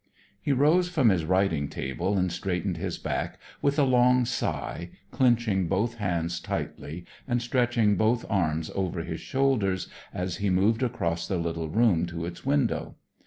He rose from his writing table and straightened his back with a long sigh, clenching both hands tightly, and stretching both arms over his shoulders, as he moved across the little room to its window.